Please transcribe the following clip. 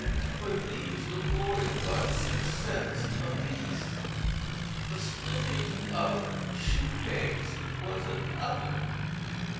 For these the boy got six cents apiece. The splitting of shoe pegs was another.